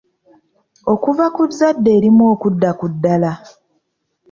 Okuva ku zzadde erimu okudda ku ddala.